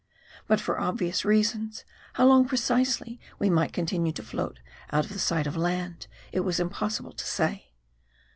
But for obvious reasons, how long pre cisely we might continue to float out of sight of land, it was impossible to say.